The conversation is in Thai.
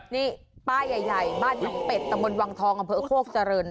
นี่ป้ายใหญ่บ้านหนองเป็ดตะมนต์วังทองอำเภอโคกเจริญ